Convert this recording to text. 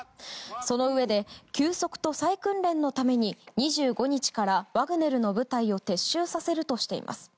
そのうえで休息と再訓練のために２５日からワグネルの部隊を撤収させるとしています。